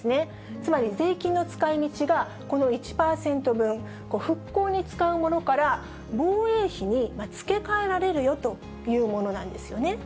つまり税金の使いみちが、この１％分、復興に使うものから防衛費に付け替えられるよというものなんです